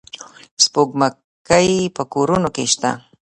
سپوږمکۍ په کورونو کې شته.